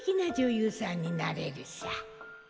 ゆうさんになれるさ。